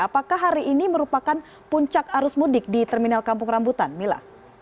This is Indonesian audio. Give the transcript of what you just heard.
apakah hari ini merupakan puncak arus mudik di terminal kampung rambutan mila